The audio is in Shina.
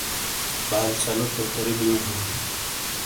بال چھلو پیپری بیؤ ہاں۔